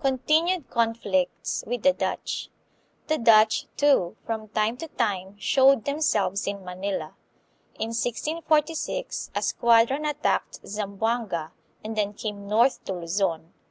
Continued Conflicts with the Dutch. The Dutch, too, from time to time showed themselves in Manila. In 1646 a squadron attacked Zamboanga, and then came north to Luzon.